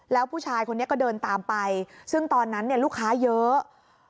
แล้วผู้ชายคนนี้ก็เดินตามไปซึ่งตอนนั้นลูกค้าเยอะ